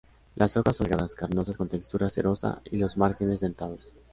Las hojas son alargadas, carnosas con textura cerosa y los márgenes dentados.